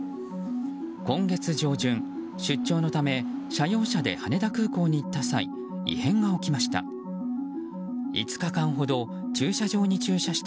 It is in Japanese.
今月上旬、出張のため社用車で羽田空港に行った際異変が起きました。